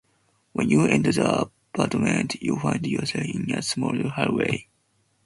When you enter the apartment, you find yourself in a small hallway.